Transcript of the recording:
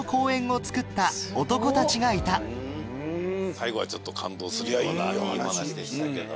最後は感動するようないいお話でしたけど。